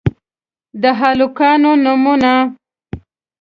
د هلکانو نومونه: